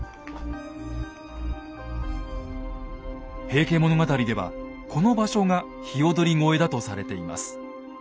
「平家物語」ではこの場所が鵯越だとされています。